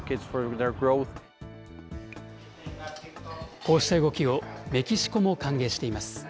こうした動きをメキシコも歓迎しています。